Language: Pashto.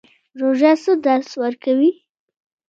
روژه څه درس ورکوي؟